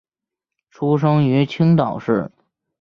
出生于青岛市。